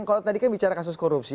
kalau tadi kan bicara kasus korupsi